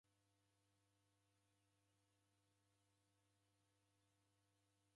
Ichi kifumbu cheka na w'asi ghwa ndoe kukuruduka.